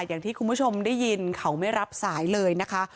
อย่างที่คุณผู้ชมได้ยินเขาไม่รับสายเลยนะคะ